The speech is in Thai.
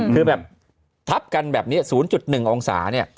คือแบบทับกันแบบนี้๐๑องศาเนี่ย